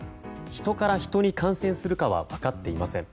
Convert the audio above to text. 人から人に感染するかは分かっていません。